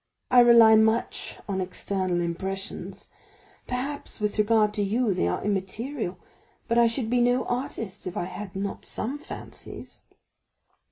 I rely much on external impressions; perhaps, with regard to you, they are immaterial, but I should be no artist if I had not some fancies."